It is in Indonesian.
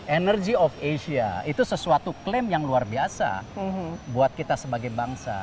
energy of asia itu sesuatu klaim yang luar biasa buat kita sebagai bangsa